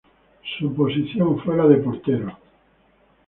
Su posición fue la de portero.